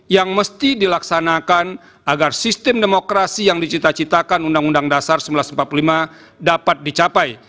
yang mesti dilaksanakan agar sistem demokrasi yang dicita citakan undang undang dasar seribu sembilan ratus empat puluh lima dapat dicapai